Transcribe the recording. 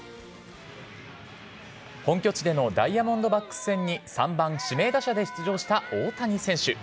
本拠地でのダイヤモンドバックス戦に３番指名打者で出場した大谷選手。